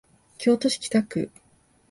京都市北区